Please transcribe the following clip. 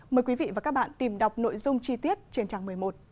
mời quý vị và các bạn tìm đọc nội dung chi tiết trên trang một mươi một